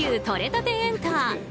とれたてエンタ。